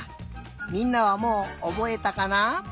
みんなはもうおぼえたかな？